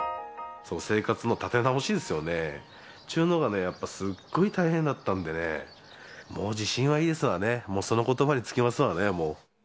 生活の立て直しですよね。というのがやっぱすごく大変だったんでね、もう地震はいいですわね、もうそのことばにつきますわね。